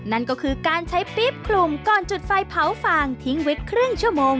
นั่นก็คือการใช้ปี๊บคลุมก่อนจุดไฟเผาฟางทิ้งไว้ครึ่งชั่วโมง